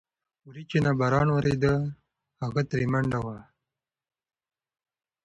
وريچينه باران وريده، هغه ترې په منډه وه.